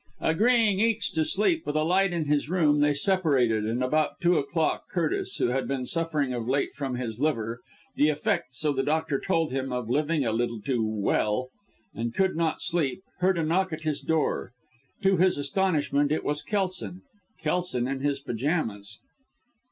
Agreeing each to sleep with a light in his room, they separated, and at about two o'clock Curtis, who had been suffering of late from his liver the effect, so the doctor told him, of living a little too well and could not sleep, heard a knock at his door. To his astonishment it was Kelson Kelson, in his pyjamas.